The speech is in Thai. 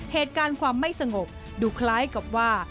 เหตุการณ์ความไม่สงบดูคล้ายกับว่า